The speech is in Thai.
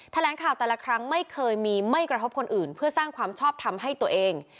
แถลงข่าวแต่ละครั้งไม่เคยมีไม่กระทบคนอื่นเพื่อสร้างความชอบทำให้ตัวเอง